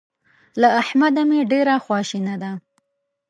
له احمده مې ډېره خواشنه ده.